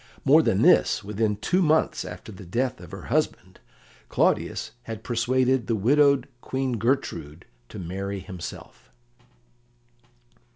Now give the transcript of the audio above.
More than this: within two months after the death of her husband, Claudius had persuaded the widowed Queen Gertrude to marry himself.